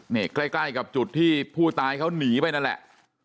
นี่ใกล้กับจุดที่ผู้ตายเขาหนีไปนั่นแหละ